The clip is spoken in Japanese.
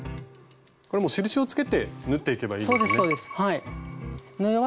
これもう印をつけて縫っていけばいいんですよね？